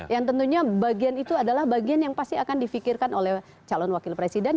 yang tentunya bagian itu adalah bagian yang pasti akan difikirkan oleh calon wakil presiden